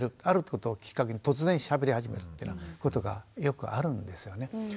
あることをきっかけに突然しゃべり始めるっていうことがよくあるんですよね。